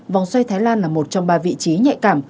vòng xoay thái lan là một trong ba vị trí nhạy cảm